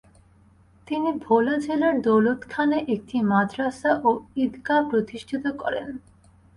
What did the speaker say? তিনি ভোলা জেলার দৌলতখানে একটি মাদ্রাসা ও ঈদগাহ প্রতিষ্ঠিত করেন।